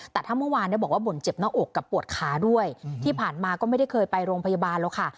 แต่ถ้าเมื่อวานบอกว่าบ่นเจ็บหน้าอกกับปวดขาด้วยที่ผ่านมาก็ไม่ได้เคยไปโรงพยาบาลหรอกค่ะ